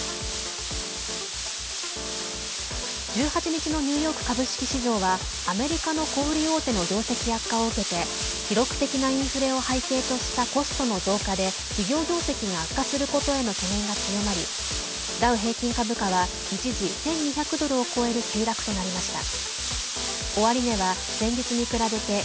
１８日のニューヨーク株式市場はアメリカの小売大手の業績悪化を受けて記録的なインフレを背景としたコストの増加で企業業績が悪化することへの懸念が強まりダウ平均株価は一時１２００ドルを超える急落となりました。